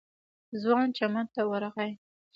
ځوان چمن ته ورغی.